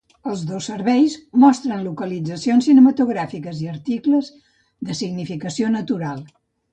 Els dos serveis mostren localitzacions cinematogràfiques i articles de significació natural.